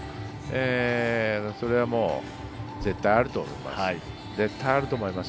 それはもう絶対あると思います。